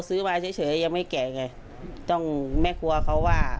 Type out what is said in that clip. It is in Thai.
นึกว่าจะทำไข่ลูกเขยแต่มันไม่ใช่แล้ว